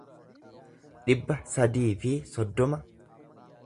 dhibba sadii fi soddoma